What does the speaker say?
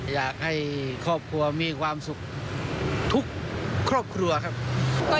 อยากให้ครอบครัวมีความสุขทุกครอบครัวครับ